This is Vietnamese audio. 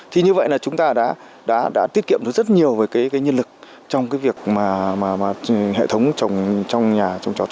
thì như vậy là chúng ta đã tiết kiệm được rất nhiều về cái nhân lực trong cái việc mà hệ thống trồng trong nhà trồng trọt